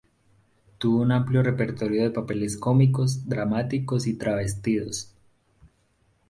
Tuvo un amplio repertorio de papeles cómicos, dramáticos y travestidos.